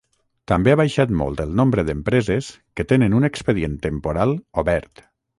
També ha baixat molt el nombre d’empreses que tenen un expedient temporal obert.